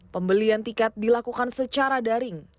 pembelian tiket dilakukan secara daring